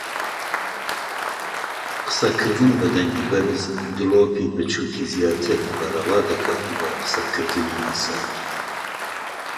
قسەکردن بە دەنگی بەرز دڵۆپی بچووکی زیاتر بەرەڵادەکات لە قسەکردنی ئاسایی.